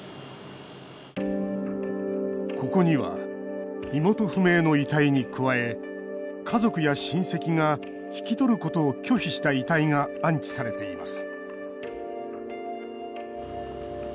ここには、身元不明の遺体に加え家族や親戚が引き取ることを拒否した遺体が安置されています。